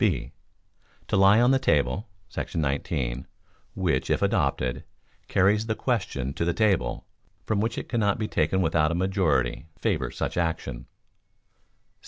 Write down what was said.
(b) To lie on the table [§ 19], which, if adopted, carries the question to the table, from which it cannot be taken without a majority favors such action.